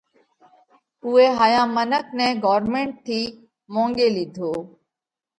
اُوئي هائيا منک نئہ ڳورمنٽ ٿِي مونڳي لِيڌو۔